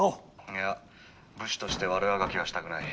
「いや武士として悪あがきはしたくない。